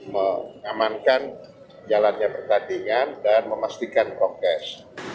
mengamankan jalannya pertandingan dan memastikan prokes